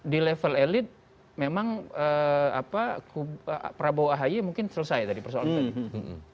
di level elit memang prabowo ahi mungkin selesai tadi persoalan tadi